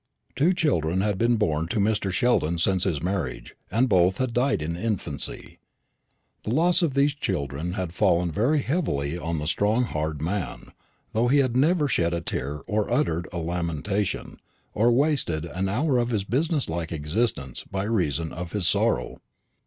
Two children had been born to Mr. Sheldon since his marriage, and both had died in infancy. The loss of these children had fallen very heavily on the strong hard man, though he had never shed a tear or uttered a lamentation, or wasted an hour of his business like existence by reason of his sorrow.